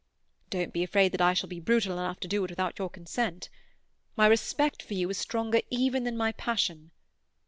Don't be afraid that I shall be brutal enough to do it without your consent; my respect for you is stronger even than my passion.